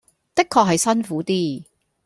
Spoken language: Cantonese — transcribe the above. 的確係辛苦啲